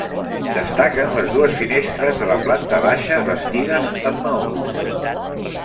Destaquen les dues finestres de la planta baixa bastides amb maons.